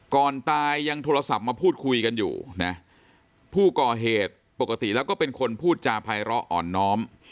ก่อนตายยังโทรศัพท์มาพูดคุยกันอยู่นะผู้ก่อเหตุปกติแล้วก็เป็นคนพูดจาภัยร้ออ่อนน้อม